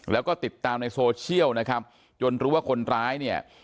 แล้วก็ติดตามในโซเชียลนะครับจนรู้ว่าคนร้ายเนี่ย